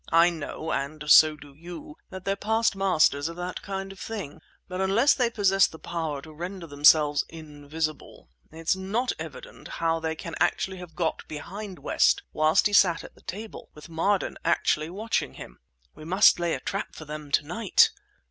I know, and so do you, that they're past masters of that kind of thing; but unless they possess the power to render themselves invisible, it's not evident how they can have got behind West whilst he sat at the table, with Marden actually watching him!" "We must lay a trap for them to night."